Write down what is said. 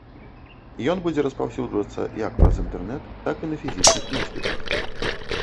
Ён будзе распаўсюджвацца як праз інтэрнэт, так і на фізічных носьбітах.